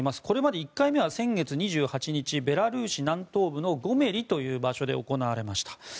これまで１回目は先月２８日ベラルーシ南東部のゴメリという場所で行われました。